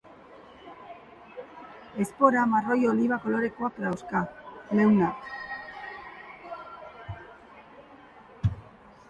Espora marroi-oliba kolorekoak dauzka, leunak.